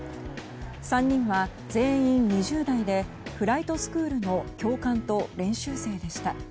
３人は全員２０代でフライトスクールの教官と練習生でした。